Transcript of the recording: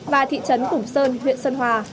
và thị trấn củng sơn huyện sơn hòa